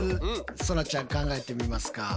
そらちゃん考えてみますか？